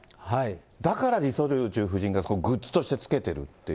だからリ・ソルジュ夫人がグッズとして着けてるっていう。